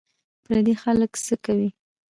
پردي خلک څه کوې